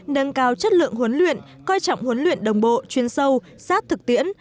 nâng cao chất lượng huấn luyện coi trọng huấn luyện đồng bộ chuyên sâu sát thực tiễn